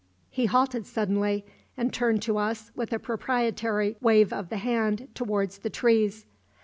He halted suddenly, and turned to us with a proprietary wave of the hand towards the trees.